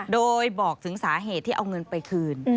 โดยบอกถึงสาเหตุที่เอาเงินไปคืน